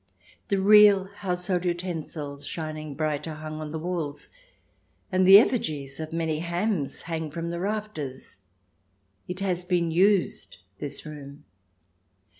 The real household utensils, shining bright, are hung on the walls, and the effigies of many hams hang from the rafters. It has been used, this room.